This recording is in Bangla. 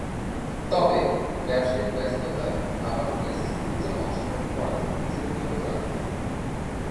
তবে, ব্যবসায়িক ব্যস্ততায় আবারও টেস্ট সিরিজে অংশগ্রহণ করা থেকে নিজেকে বিরত রাখেন।